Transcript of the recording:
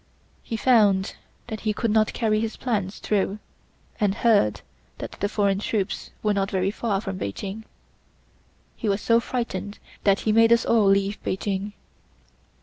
He found that he could not carry his plans through and heard that the foreign troops were not very far from Peking. He was so frightened that he made us all leave Peking."